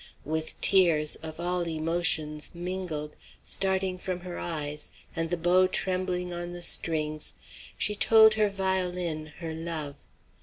With tears, of all emotions mingled, starting from her eyes, and the bow trembling on the strings, she told the violin her love.